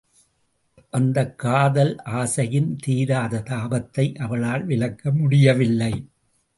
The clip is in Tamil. அந்தக் காதல் ஆசையின் தீராத தாபத்தை அவளால் விலக்க முடியவில்லை.